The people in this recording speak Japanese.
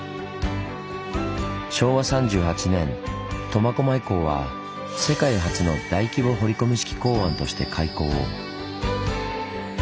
昭和３８年苫小牧港は世界初の大規模掘込式港湾として開港。